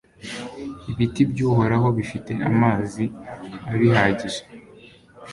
ibiti by'uhoraho bifite amazi abihagije